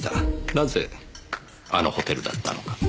なぜあのホテルだったのか。